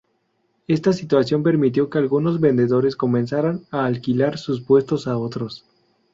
Esta situación permitió que algunos vendedores comenzaran a alquilar sus puestos a otros.